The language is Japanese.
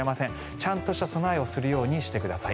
ちゃんとした備えをするようにしてください。